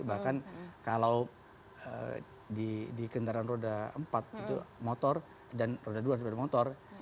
bahkan kalau di kendaraan roda empat itu motor dan roda dua sepeda motor